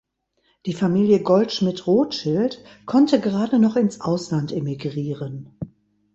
Die Familie Goldschmidt-Rothschild konnte gerade noch ins Ausland emigrieren.